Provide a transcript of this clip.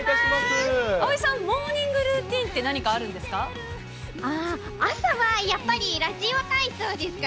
葵さん、モーニングルーティンって何かあるんですか？